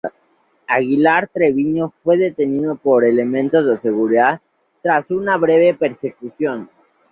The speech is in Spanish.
Aguilar Treviño fue detenido por elementos de seguridad tras una breve persecución.